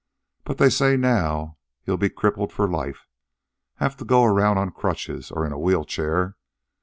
But they say now he'll be crippled for life have to go around on crutches, or in a wheel chair.